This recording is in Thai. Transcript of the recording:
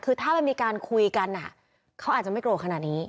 คือถ้ามันมีการคุยกันเขาอาจจะไม่โกรธขนาดนี้